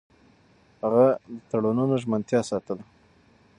هغه د تړونونو ژمنتيا ساتله.